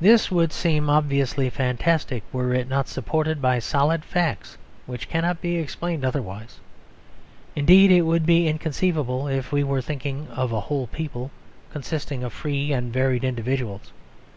This would seem obviously fantastic were it not supported by solid facts which cannot be explained otherwise. Indeed it would be inconceivable if we were thinking of a whole people, consisting of free and varied individuals.